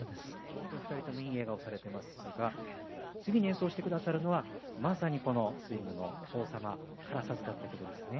本当に２人ともいい笑顔されてますが次に演奏してくださるのはまさにこのスイングの王様から授かった曲ですね。